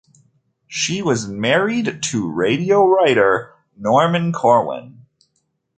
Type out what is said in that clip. She was married to radio writer Norman Corwin.